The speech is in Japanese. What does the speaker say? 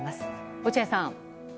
落合さん。